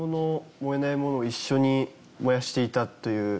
燃えないものを一緒に燃やしていたという。